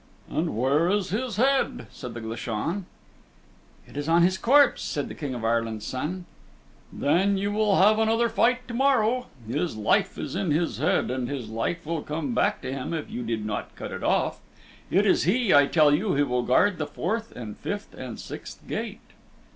"And where is his head?" said the Glashan. "It is on his corpse," said the King of Ireland's Son. "Then you will have another fight to morrow. His life is in his head, and his life will come back to him if you did not cut it off. It is he, I tell you, who will guard the fourth and fifth and sixth gate."